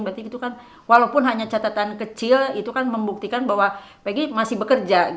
berarti itu kan walaupun hanya catatan kecil itu kan membuktikan bahwa pg masih bekerja